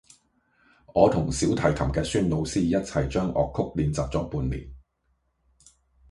我同小提琴嘅孫老師一齊將樂曲練習咗半年